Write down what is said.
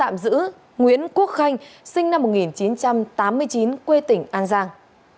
nguyễn quốc khanh sinh năm một nghìn chín trăm tám mươi chín quê tỉnh an giang